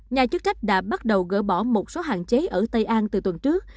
nhà chức trách đã bắt đầu gỡ bỏ một số hạn chế ở tây an từ tuần trước